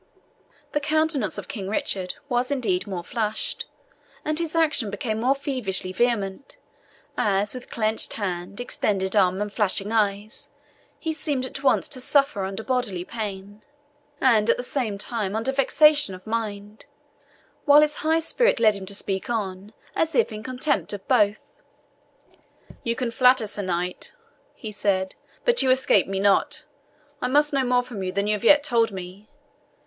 The countenance of King Richard was, indeed, more flushed, and his action became more feverishly vehement, as, with clenched hand, extended arm, and flashing eyes, he seemed at once to suffer under bodily pain, and at the same time under vexation of mind, while his high spirit led him to speak on, as if in contempt of both. "You can flatter, Sir Knight," he said, "but you escape me not. I must know more from you than you have yet told me.